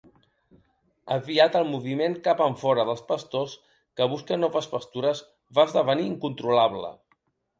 Aviat, el moviment cap enfora dels pastors que busquen noves pastures va esdevenir incontrolable.